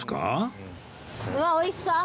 うわおいしそう！